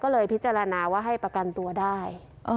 ก็เลยพิจารณาว่าให้ประกันตัวได้